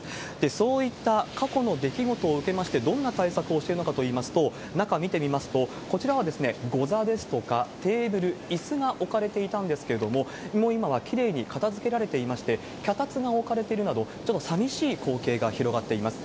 そういった過去の出来事を受けまして、どんな対策をしているのかといいますと、中見てみますと、こちらはござですとかテーブル、いすが置かれていたんですけれども、もう今はきれいに片づけられていまして、きゃたつが置かれているなど、ちょっとさみしい光景が広がっています。